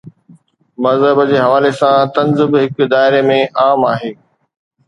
مذهب جي حوالي سان طنز به هن دائري ۾ عام آهي.